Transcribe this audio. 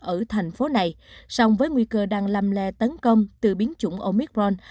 ở thành phố này song với nguy cơ đang làm lè tấn công từ biến chủng omicron